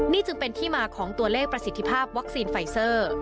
นี่จึงเป็นที่มาของตัวเลขประสิทธิภาพวัคซีนไฟเซอร์